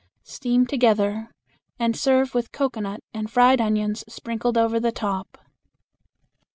Steam together and serve with cocoanut and fried onions sprinkled over the top.